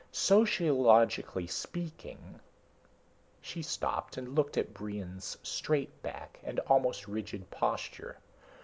Sociologically speaking...." She stopped and looked at Brion's straight back and almost rigid posture.